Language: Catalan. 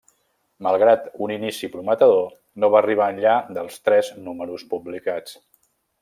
Malgrat un inici prometedor, no va arribar enllà dels tres números publicats.